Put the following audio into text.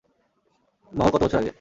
মহল কত বছর আগের?